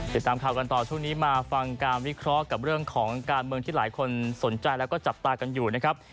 ติดตามข่าวกันต่อช่วงนี้มาฟังการวิเคราะห์กับเรื่องของการเมืองที่หลายคนสนใจแล้วก็จับตากันอยู่นะครับ